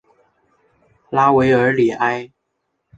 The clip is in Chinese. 拉韦尔里埃。